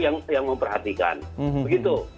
yang memperhatikan begitu